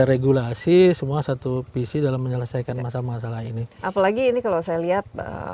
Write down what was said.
regulasi semua satu visi dalam menyelesaikan masalah masalah ini apalagi ini kalau saya lihat